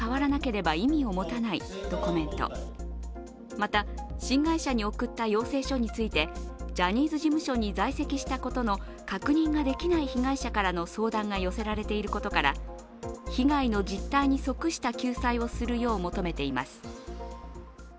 また、新会社に送った要請書についてジャニーズ事務所に在籍したことの確認できない被害者からの相談が寄せられていることから被害の実態に即した救済をするよう求めています。